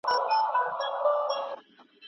روښانه فکر جنجال نه زیاتوي.